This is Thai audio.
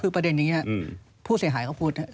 คือประเด็นนี้ผู้เสียหายเขาพูด